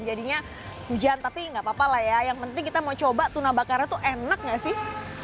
jadinya hujan tapi nggak apa apa lah ya yang penting kita mau coba tuna bakarnya tuh enak gak sih